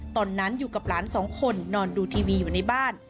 ตอนนั้นอยู่กับหลานสองคนนอนดูทีวีอยู่ในบ้าน